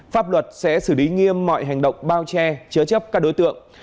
pháp luật sẽ xử lý nghiêm mọi hành động bao che chứa chấp các đối tượng